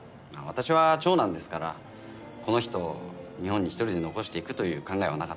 私は長男ですからこの人を日本に一人で残していくという考えはなかった。